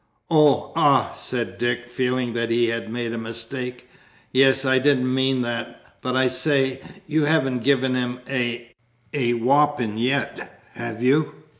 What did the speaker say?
"Oh, ah," said Dick, feeling that he had made a mistake, "yes, I didn't mean that. But I say, you haven't given him a a whopping yet, have you?"